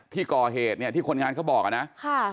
ที่ก่อเหตุเนี่ยที่คนงานเขาบอกอ่ะนะค่ะ